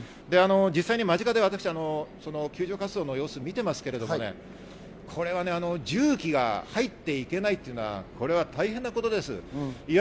間近で救助活動の様子を見ていますけれど、重機が入っていけないというのは大変なことです。